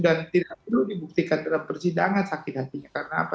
dan tidak perlu dibuktikan dalam persidangan sakit hatinya karena apa